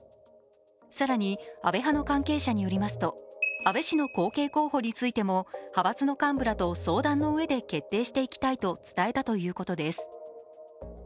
さらに安倍派の関係者によりますと安倍氏の後継候補についても派閥の幹部らと相談のうえで決定していきたいと伝えたということです。